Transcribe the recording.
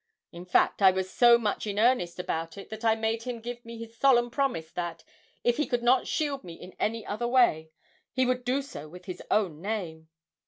In fact, I was so much in earnest about it that I made him give me his solemn promise that, if he could not shield me in any other way, he would do so with his own name.